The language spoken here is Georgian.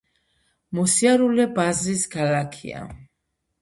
მოსიარულე ბაზრის ქალაქია.